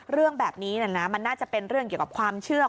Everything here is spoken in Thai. เรื่องแบบนี้มันน่าจะเป็นเรื่องเกี่ยวกับความเชื่อ